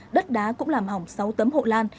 đất đá cũng làm hỏng sáu tấm hộ lan